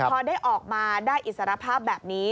พอได้ออกมาได้อิสรภาพแบบนี้